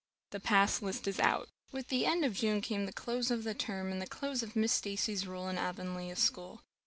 The Pass List Is Out WITH the end of June came the close of the term and the close of Miss Stacy's rule in Avonlea school.